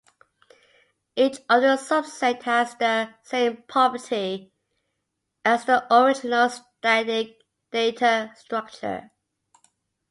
Each of the subset has the same property as the original static data structure.